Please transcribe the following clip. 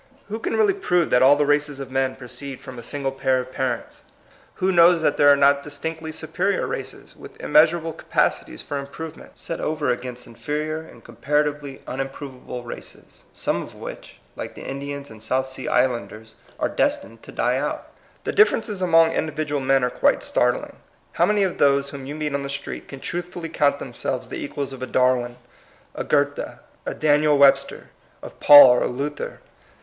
Who can really prove that all the races of men proceed from a single pair of 130 THE COMING FBOPLB. parents? Who knowa that there are not disUnctly superior races, with immeasurar ble capacities for improvement, set over against inferior and comparatively unim provable races, some of which, like the In dians and South Sea Islanders, are destined to die out ? The differences among individ ual men are quite startling. How many of those whom you meet on the street can truthfully count themselves the equals of a Darwin, a Goethe, a Daniel Webster, of Paul or Luther?